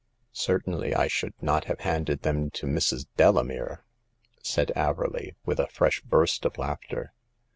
249 " Certainly I should noi have handed them to Mrs. Delamere !" said Averley, with a fresh burst of laughter.